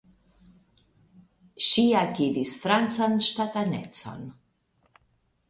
Ŝi akiris francan ŝtatanecon.